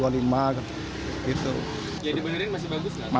jadi benerin masih bagus gak